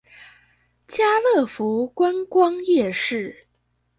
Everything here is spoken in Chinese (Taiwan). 嘉樂福觀光夜市